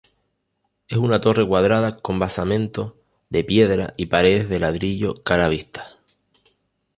Es una torre cuadrada con basamento de piedra y paredes de ladrillo cara vista.